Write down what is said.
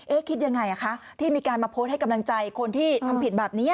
คิดยังไงคะที่มีการมาโพสต์ให้กำลังใจคนที่ทำผิดแบบนี้